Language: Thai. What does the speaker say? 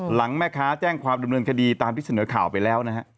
หลังแม่ค้าแจ้งความดำเนินคดีตามที่เสนอข่าวไปแล้วนะฮะ